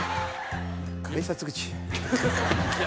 「改札口で」